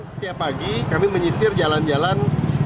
setiap pagi kami menyisir jalan jalan